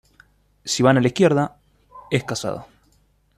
Si van a la izquierda, es casado.